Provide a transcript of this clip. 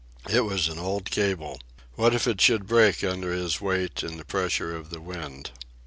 It was an old cable. What if it should break under his weight and the pressure of the wind?